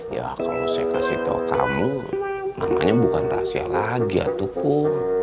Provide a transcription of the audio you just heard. ya kalau saya kasih tau kamu namanya bukan rahasia lagi ya tukum